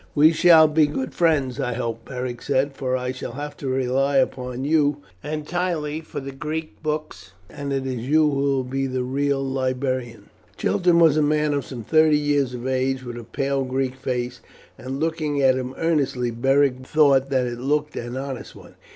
"We shall be good friends, I hope," Beric said, "for I shall have to rely upon you entirely for the Greek books, and it is you who will be the real librarian." Chiton was a man of some thirty years of age, with a pale Greek face; and looking at him earnestly Beric thought that it looked an honest one.